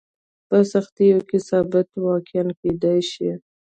په سختیو کې ثابت واقع کېدای شي.